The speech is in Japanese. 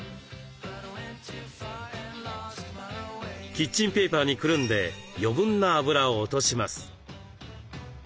キッチンペーパーにくるんで余分な油を落とします。